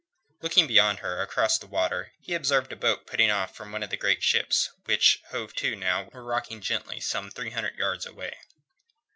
Looking beyond her, across the water, he observed a boat putting off from one of the great ships, which, hove to now, were rocking gently some three hundred yards away.